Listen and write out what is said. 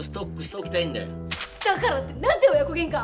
だからってなぜ親子喧嘩？